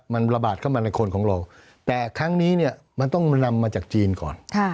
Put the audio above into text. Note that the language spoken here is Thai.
มันระบาดเข้ามาในคนของเราแต่ครั้งนี้เนี่ยมันต้องนำมาจากจีนก่อน